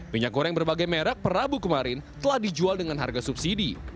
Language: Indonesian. minyak goreng berbagai merek perabu kemarin telah dijual dengan harga subsidi